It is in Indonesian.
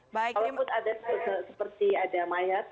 walaupun ada seperti ada mayat